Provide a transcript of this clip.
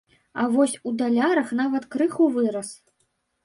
А вось у далярах нават крыху вырас.